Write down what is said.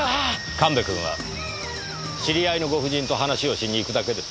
神戸君は知り合いのご婦人と話をしに行くだけです。